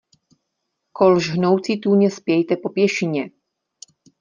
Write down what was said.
Kol žhoucí tůně spějte po pěšině!